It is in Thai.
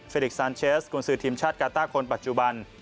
ลิกซานเชสกุญสือทีมชาติกาต้าคนปัจจุบัน